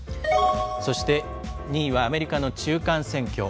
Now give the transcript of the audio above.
そして２位はアメリカの中間選挙。